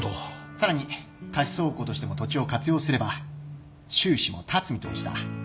さらに貸倉庫としても土地を活用すれば収支も立つ見通しだ